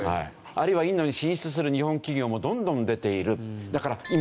あるいはインドに進出する日本企業もどんどん出ている。